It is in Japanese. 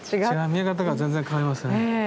見え方が全然変わりますね。